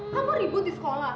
kamu ribut di sekolah